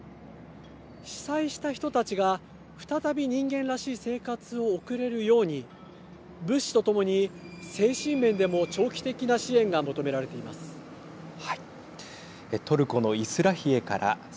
被災した人たちが再び人間らしい生活を送れるように物資と共に精神面でも長期的な支援が求められています。